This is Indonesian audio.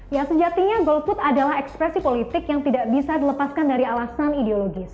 ya sejatinya golput adalah ekspresi politik yang tidak bisa dilepaskan dari alasan ideologis